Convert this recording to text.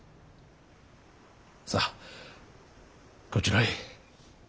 さあこちらへ。